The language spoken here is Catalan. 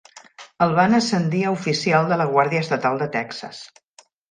El van ascendir a oficial de la Guàrdia Estatal de Texas.